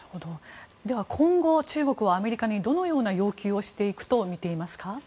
今後、中国はアメリカにどのような要求をしていくとみていますか？